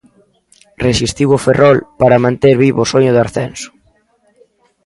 Resistiu o Ferrol para manter vivo o soño do ascenso.